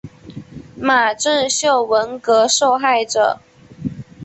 马正秀文革受害者。